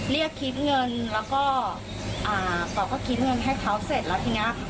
เรียกคลิปเงินแล้วก็อ่าบอกว่าคลิปเงินให้เค้าเสร็จแล้วทีนี้